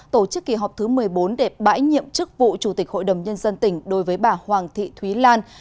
tổ chức kỳ họp thứ một mươi bốn để bãi nhiệm chức vụ chủ tịch hội đồng nhân dân tỉnh đối với bà hoàng thị thúy lan